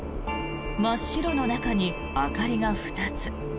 真っ白の中に明かりが２つ。